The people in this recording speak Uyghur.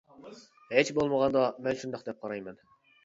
ھېچ بولمىغاندا مەن شۇنداق دەپ قارايمەن.